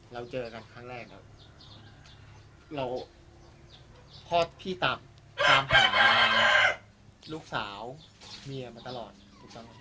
เราเจอกันครั้งแรกนะพอพี่ตามมา